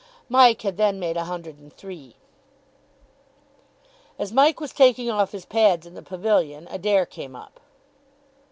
Mike had then made a hundred and three. As Mike was taking off his pads in the pavilion, Adair came up.